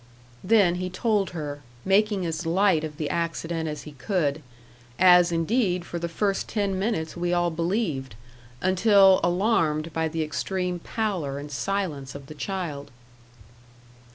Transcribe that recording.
Then he told her, making as light of the accident as he could; as, indeed, for the first ten minutes we all believed, until alarmed by the extreme pallor and silence of the child.